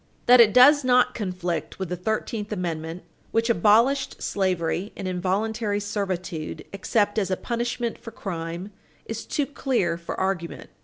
That it does not conflict with the Thirteenth Amendment, which abolished slavery and involuntary servitude, except as a punishment for crime, is too clear for argument.